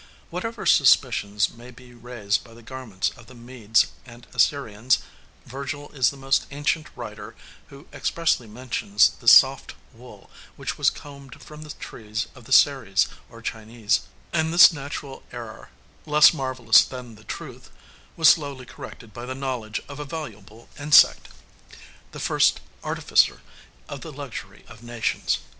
Whatever suspicions may be raised by the garments of the Medes and Assyrians, Virgil is the most ancient writer who expressly mentions the soft wool which was combed from the trees of the Seres or Chinese; and this natural error, less marvelous than the truth, was slowly corrected by the knowledge of a valuable insect, the first artificer of the luxury of nations.